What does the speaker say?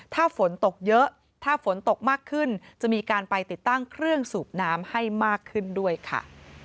ถ้าฝนตกเยอะถ้าฝนตกมากขึ้นจะมีการไปติดตั้งเครื่องสูบน้ำให้มากขึ้นด้วยค่ะ